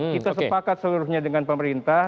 kita sepakat seluruhnya dengan pemerintah